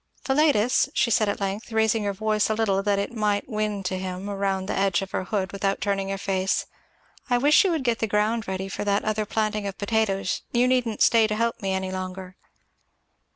"Philetus," she said at length, raising her voice a little that it might win to him round the edge of her hood without turning her face, "I wish you would get the ground ready for that other planting of potatoes you needn't stay to help me any longer."